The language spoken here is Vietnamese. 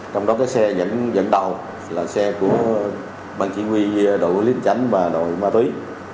trong đó xe dẫn đầu là xe của bàn chỉ huy đội quản lý hình chánh và đội ma túy